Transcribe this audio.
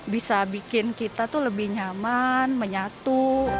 bisa bikin kita tuh lebih nyaman menyatu